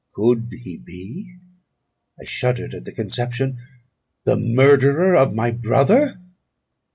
Could he be (I shuddered at the conception) the murderer of my brother?